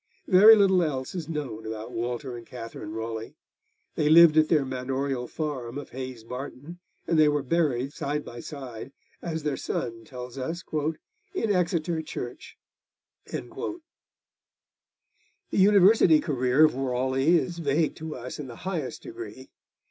Very little else is known about Walter and Katherine Raleigh. They lived at their manorial farm of Hayes Barton, and they were buried side by side, as their son tells us, 'in Exeter church.' The university career of Raleigh is vague to us in the highest degree.